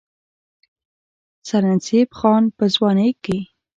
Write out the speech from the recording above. سرنزېب خان پۀ ځوانۍ کښې